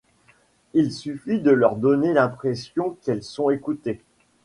Il suffit de leur donner l’impression qu’elles sont écoutées.